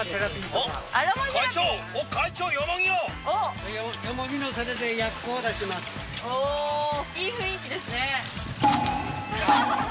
おっおいい雰囲気ですね